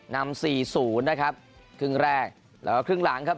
นำ๔๐นะครับครึ่งแรกแล้วก็ครึ่งหลังครับ